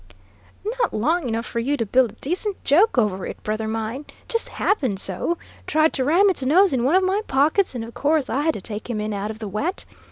"Not long enough for you to build a decent joke over it, brother mine. Just happened so. Tried to ram its nose in one of my pockets, and of course I had to take him in out of the wet.